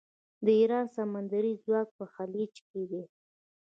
د ایران سمندري ځواک په خلیج کې دی.